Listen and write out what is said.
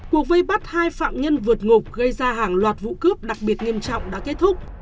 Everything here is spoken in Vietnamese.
cuộc vây bắt hai phạm nhân vượt ngục gây ra hàng loạt vụ cướp đặc biệt nghiêm trọng đã kết thúc